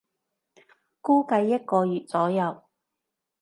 估計一個月左右